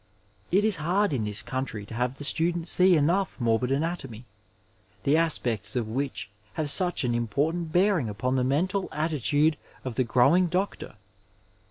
It is hard in this country to have the student see enough morbid anatomy, the aspects of which have such an important bearing upon the mental attitude of the growing doctor.